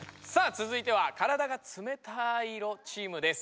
つづいては体がつめたい色チームです。